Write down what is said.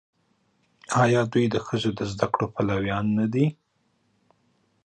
آیا دوی د ښځو د زده کړې پلویان نه دي؟